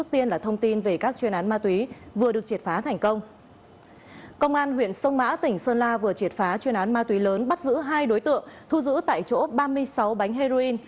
công an huyện sông mã tỉnh sơn la vừa triệt phá chuyên án ma túy lớn bắt giữ hai đối tượng thu giữ tại chỗ ba mươi sáu bánh heroin